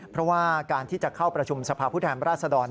เพราะว่าการที่จะเข้าประชุมสภาพผู้แทนราชดร